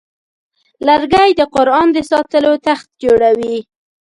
لرګی د قرآن د ساتلو تخت جوړوي.